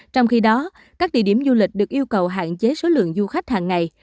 trong khi đó các địa điểm du lịch được yêu cầu hạn chế số lượng du khách hàng ngày